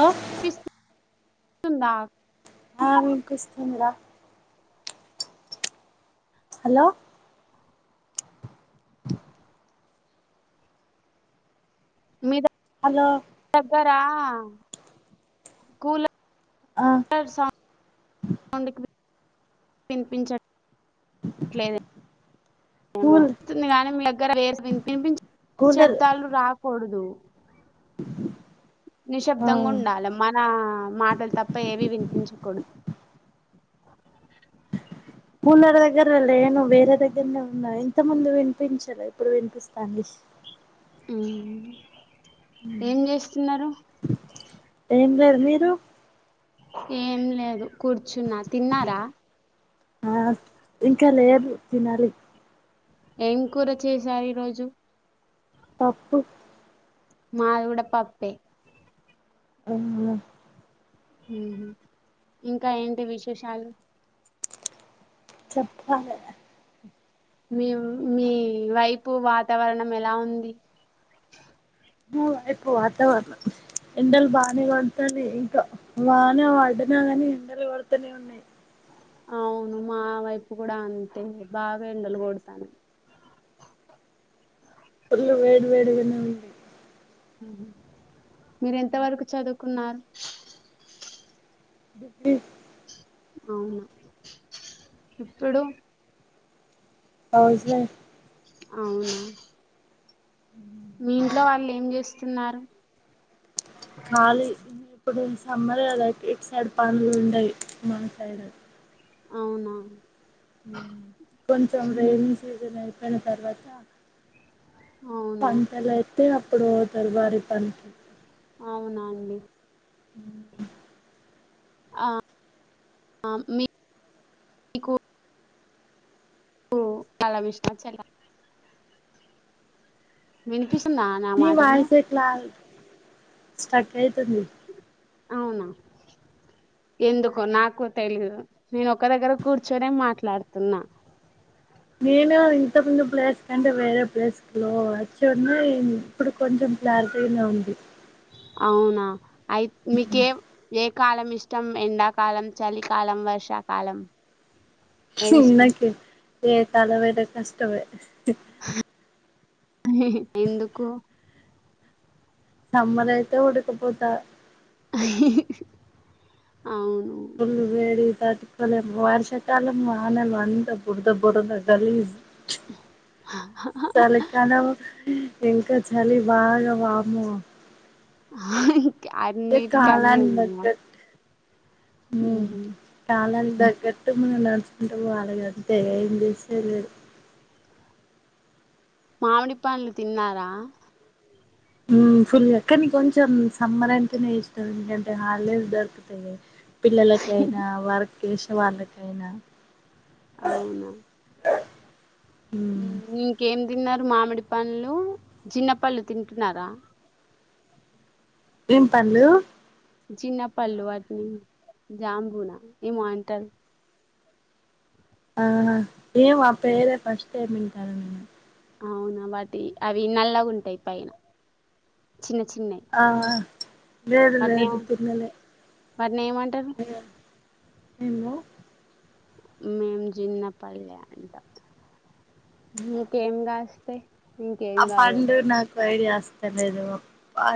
ఆ వినిపిస్తుందా ఆ విపిస్తుంది రా హలో మీద హలో దగ్గరా కూల ఆ వినిపించట్లేదు ఏమో కూల్ వస్తుంది గాని మీ దగ్గర వినిపించి కూలర్ శబ్దాలు రాకూడదు ఆ నిశ్శబ్దంగా ఉండాలి మన మాటలు తప్ప ఏవి వినిపించకూడదు కూలర్ దగ్గర లేను వేరే దగ్గరనే ఉన్నా ఇంత ముందు వినిపించలే ఇప్పుడు వినిపిస్తాంది ఉ ఏం చేస్తున్నారు ఏం లేదు మీరు ఏం లేదు కూర్చున్నా తిన్నారా ఆ ఇంకా లేదు తినాలి ఏం కూర చేసారు ఈరోజు పప్పు మాది కూడా పప్పే ఉమ్ ఉమ్ ఇంకా ఏంటి విశేషాలు చెప్పాలి మీ మీ వైపు వాతావరణం ఎలా ఉంది మా వైపు వాతావరణం ఎండలు బాగానే కొడతన్నయి ఇంకా వాన పడ్డలా గానీ ఎండలు కొడుతునే ఉన్నాయి అవును మా వైపు కూడా అంతే బాగా ఎండలు కొడుతున్నాయి ఫుల్లు వేడి వేడి గా ఉన్నది మీరెంత వరకు చదువుకున్నారు ఉ అవునా ఇప్పుడు హౌజ్ వైఫ్ అవునా మీ ఇంట్లో వాళ్ళు ఏం చేస్తున్నారు ఖాళీ ఇప్పుడు సమ్మర్ కద ఇటు సైడ్ పనులు ఉండయి మా సైడ్ అవునా కొంచెం ఉమ్, రైనీ సీజన్ అయిపోయిన తర్వాత అవునా పంటలు అయితే అప్పుడు పోతరు వరి పనికి అవునా అండి ఉహు ఆ అ మీ మీకు కాలా విష్ట చలా వినిపిస్తుందా నా మాటలు ఇలా స్టక్ అయితుంది అవునా ఎందుకో నాకు తెలీదు నేను ఒక దగ్గర కూర్చొనే మాట్లాడుతున్నా నేను ఇంతకుముందు ప్లేస్ కంటే వేరే ప్లేస్కు లో వచ్చ ఉన్న ఏమి ఇప్పుడు కొంచెం క్లారిటీగా ఉంది అవునా అయి మీకేం ఏ కాలం ఇష్టం ఎండాకాలం, చలికాలం, వర్షాకాలం ఏది ఇష్టం ఉన్నకి ఏ కాలమైన కష్టమే హు ఎందుకు సమ్మర అయితే ఉడకపోత అవును పుల్ వేడికి తట్టుకోలెం వర్షాకాలం వానలు అంత బుడద బుడద గలీజ్ [unintelligible] చలికాలం ఇంక చలి బాగా వామ్మో హ హు ఇగ అన్నింటికి అన్నీ కాలానికి ఉన్నాయా తగ్గట్టు ఉహు కాలంతగ్గట్టు మనం నడుచుకుంటపో వాలెఅంతే ఏం చేసేలేదు. మామిడి పండ్లుతిన్నారా? ఉ ఫుల్ కాని కొంచెం సమ్మర్ అంటేనే ఇష్టం ఎందుకంటే హాలిడేస్ దొరుకు పిల్లలకైనా వర్క్ చేసే వాళ్ళకైనా అవునా ఉమ్ నీకేం తిన్నారు మామిడి పళ్ళు, జిన్న పళ్లు తింటున్నారా? ఏం పళ్లు? చిన్న పళ్లు వాటిని జామ్బునా ఏమో అంటర్‌ ఆహా ఏమో అపేరే ఫస్టైమ్ ఇంటండేది అవునా వాటి అవి నల్లగా ఉంటాయి పైన చిన్న చిన్నవి. ఆ లేదు వాటిని లేదు ఏమో తినలే వాటిని ఏమంటారు? నిన్ను మేం జిన్నపల్లె అంటాం ఇకేం కాస్ ఆ పండు నాకు ఐడియా అస అంత లేదు మొ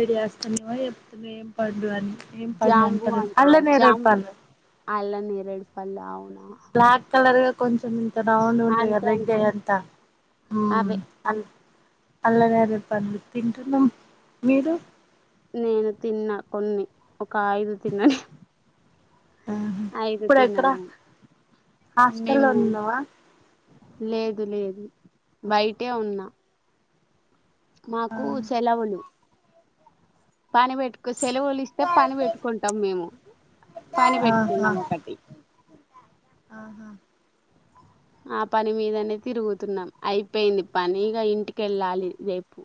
ఐడియా వస్తున్నామో చెప్తున్నా ఏం పండు అని ఏం పండు అంటారు అల్ నేేరేడు పళ్ళు అళ్ళ నేరేడు పళ్ళఅవునా బ్లాక్ కలర్ గా కొంచెం ఇంత రౌండ్ ఉంటది అంతే కదా అంతే రెడ్గాఅంత ఉ అవే అల్ అళ్ళ నేరేడు పళ్ళుతింటున్నాం మీరు? నేను తిన్నా కొన్ని ఒక ఐదు తిన్న నెను ఆహా అయిదు ఇప్పుడు ఎక్కడ తిన్నానే హాస్టల్లో నిము ఉన్నావా లేదు లేదు బయటే ఉన్నా మాకు సెలవులు పని పెట్టుకు సెలవులు ఇస్తే పని పెట్టుకుంటాం మేము పని ఆహా పెట్టుకున్నాం ఒకటి ఆహా ఆ పని మీదనే తిరుగుతున్నాం అయిపోయింది పనిగా ఇంటిక వెళ్ళాలి రేపు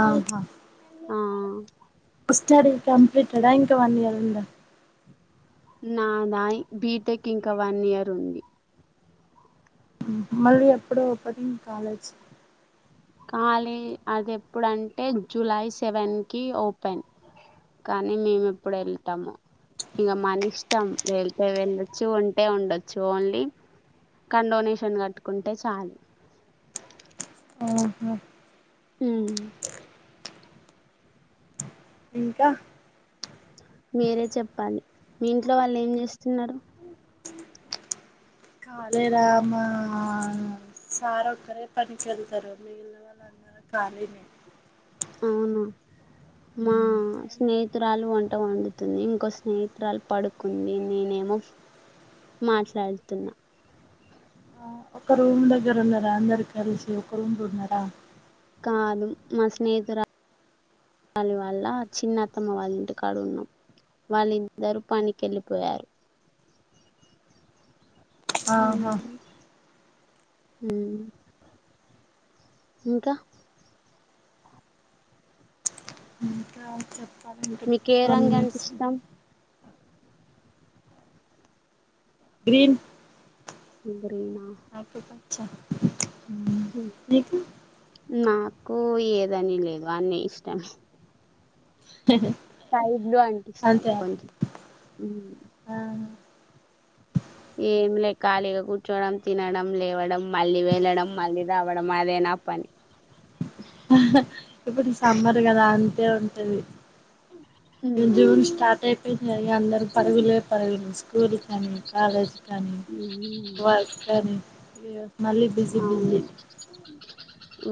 ఆహా ఆ స్టడీ కంప్లీట్దా ఇంకా వన్ ఇయర్ ఉందా నాదా య్ బీటెక్ ఇంకా వన్ ఇయర్ ఉంది. మళ్ళీ ఎప్పుడు పటింగ్ కాలేజ్ కాలీ అది ఎప్పుడంటే జూలై సెవెన్ కి ఓపెన్ కానీ మేము ఇప్పుడు వెళ్తాము ఇంకా మన ఇష్టం వెళ్తే వెళ్ళొచ్చు ఉంటే ఉండొచ్చు ఓన్లీ కానీ డొనేషన్ కట్టుకుంటే చాలు ఆహా హ ఇంకా మీరే చెప్పాలి మీ ఇంట్లో వాళ్ళు ఏం చేస్తున్నారు? కాలేదా అమ్మ సార్ ఒక్కరే పని ఎలతారు మిగిలిన వాళ్ళ అందరు కాలే అవును మా స్నేహితురాలు వంట వండుతుంది ఇంకో స్నేహితురాలు పడుకు. కున్ని నేనేమో మాట్లాడుతున్నా. ఒక రూమ్ దగ్గర ఉన్నారా అందరి కలిసి ఒక రూమ్ ఉన్నారా. కాదు మా స్నేహితురాలు. వాళ్ళ వాళ్ళ చిన్న అత్తమ్మ వాళ్ళ ఇంటి కాడు ఉన్నాం. వాళ్ళిద్దరూ పనికిెళ్ళిపోయారు. ఆహా ఉ ఉ ఇంకా చెప్పాలంటే మీకు ఏ రంగు పరిమి అంటే ఇష్టం గ్రీన్ అందరూ మాస్. ఉమ్, నీకు నాకు ఏదని లేదు అన్నీ ఇష్టమే. స్కై బ్లూలు అనిపిస్తుంది అంతే కొంచెం. ఆ ఏమి లే ఖాళీగా కూర్చోడం తినడం లేవడం మళ్ళీ వెళ్ళడం మళ్ళీ తావడం అదే నా పని. ఆ ఇప్పుడు సమ్మర్ కదా అంతే ఉంటది. ఉమ్. జూన్ స్టార్ట్ అయిపోయి జరిగి అందరు పరుగులే పరుగులే స్కూల్ కానీ. కాలేజ్ కానీ వర్క్ కానీ ఏ. అవును.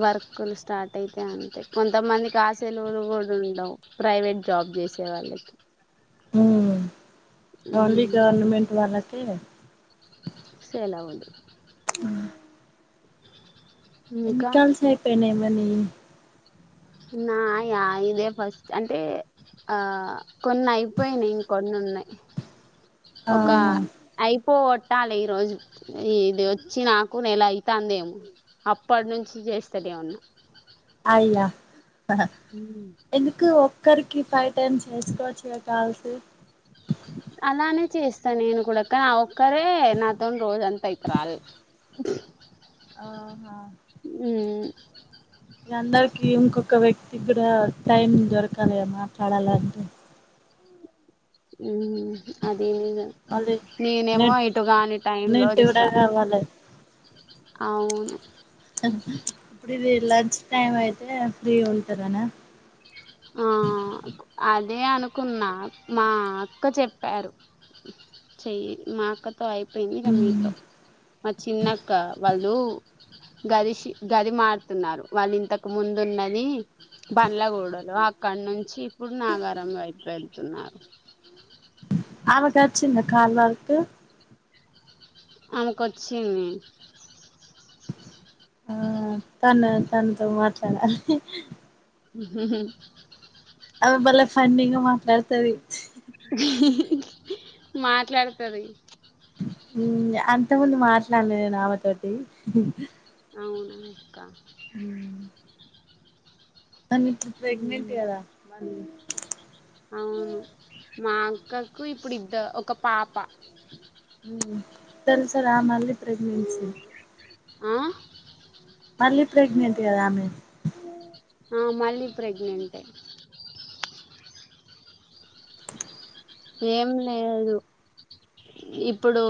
వర్క్లు స్టార్ట్ అయితే అంతే కొంతమంది ఆ సెలవలు కూడా ఉండవు. ప్రైవేట్ జాబ్ చేసే వాళ్ళకి. ఉ అన్ని గవర్నమెంట్ వాళాకి, సెలవలు. అ ఎన్ని ఇంకా కాల్స్ అయిపోయినా మనీ. నాయా ఇదే ఫస్ట్ అంటే. ఆ కొన్ని అయిపోయినాయి ఇం కొన్ని ఉన్నాయి ఒక, ఆహా అయిపో కొట్టాలి ఈ రోజు ఇ ఇది వచ్చి నాకు నేల అవుతుందేమో. అప్పటి నుంచి చేస్తేనేే ఉన్నా. అయ్యా అ హ ఉ అ ఎందుకు ఒక్కరికి ఫైవ్ టైమ్ చేసుకోవచ్చుగా కాల్స్. అలానే చేస్తా నేను కూడా కానీ ఒక్కరే నాతో రోజంతా అయ్యితే రారు. ఆఓహా ఉ అందరికిీ ఇంకొక వ్యక్తి కూడా టైమ్ దొరకాలిద మాట్లాడాలంటే. ఉ అది నీజం మళ్ళీ నేనేమో ఇటుగాని టై లో ఇస్తా. పరవాలేదు. అవును ఇప్పుడు ఇది లంచ్ టైమ్ అయితే ఫ్రీ ఉంటారనా. ఆ అదే అనుకున్నా మా అక్క చెప్పారు. చెయ్యి మాఅక్కతో అయిపోయిందిఇక మీతో, మా చిన్నక్క వాళ్ళు. గదిష్ గది మారుతున్నారు వాళ్ళు ఇంతకు ముందున్నది బండ్లగుడ అక్కడ నుంచి ఇప్పుడు నాగారం వైపు వెళ్తున్నారు ఆమెకాచిన్ద కాల్వర్కు అమెకొచ్చింది ఆ తను తనతో మాట్లాడ అమె భలే ఫన్నీగా మాట్లాడతది మాట్లాడతది ఉమ్ అంత ముందు మాట్లాడలే నేనామ తోటి అవునక్క ఉమ్ తను ఇప్పుడు ప్రెగ్నంట్ కద మల్లి అవును మా అక్కకు ఇప్పుడు ఇద్ద ఒక పాప తెల్ సార ఆ మల్లి ప్రెగ్నెన్సీ ఆ మళ్ళీ ప్రెగ్నెంట్ కదా ఆమె ఆ మళ్ళీ ప్రెగ్నెంటె ఏం లెదు ఇప్పుడు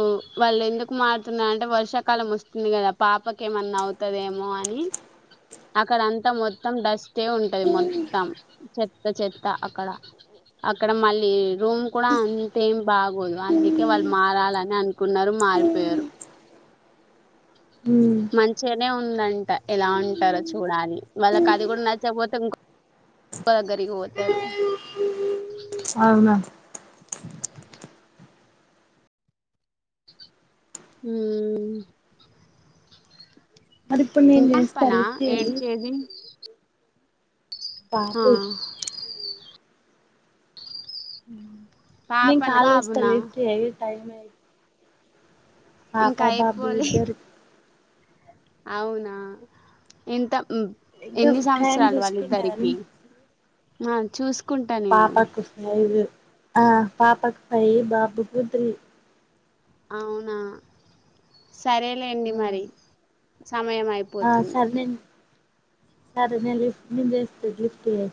వాళ్ళు ఎందుకు మారుతున్నారు అంటే వర్షాకాలం వస్తుంది కదా పాపక ఏమన్నా అవు అవ్తదేమో అని అక్కడ అంతా మొత్తం డస్టే ఉంటది మొత్తం చెత్త చెత్త అక్కడ అక్కడ మళ్ళీ రూమ్ కూడా అంతేం బాగోదు అందుకే వాళ్ళు మారాలని అనుకున్నారు మారిపోయారు మంచిగానే ఉందంట ఎలా ఉంటారో చూడాలి వాళ్ళకి అది కూడా నచ్చకపోతే ఇంకొ బాగరిగి పోతారు అవునా ఉమ్ ఇప్పుడు ఇంకా నేన్ చేస్తా పాపనా లిఫ్ట్ చేయి ఏడ్చేది ఆ బాబు నేన్ పాపనా కాల్ చేస్త బాబునా లిఫ్ట్ చెయ్ టైమ్ అయి పాప ఇంకా బాబు అయిపోలేదు ఇద్దరు అవునా ఎంత ఇంకా ఎన్ని టైం సంవత్సరాలు చూసుకుంటారు వాళ్ళిద్దరికి ఆ చూస్ పాపకు ఫైవ్ ఆ పాపాకు ఫైవ్ బాబుకు త్రీ అవునా సరేలేండి ఆ మరి సమయం అయి ఆ సరె నేన్ సరె నేను లిఫ్ట్ నేను చేస్తా లిఫ్ట్ చేయి